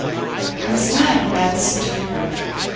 "I was mad when I listened to you.